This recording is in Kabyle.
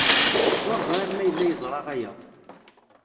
Ur ẓriɣ ma yella yeẓra aya.